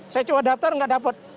saya coba daftar gak dapet